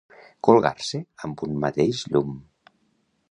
Colgar-se amb un mateix llum.